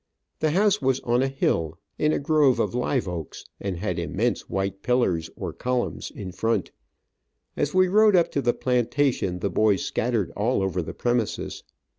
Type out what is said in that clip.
The house was on a hill, in a grove of live oaks, and had immense white pillars, or columns in front. As we rode up to the plantation the boys scattered all over the premises.